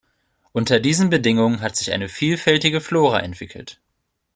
Unter diesen Bedingungen hat sich eine vielfältige Flora entwickelt.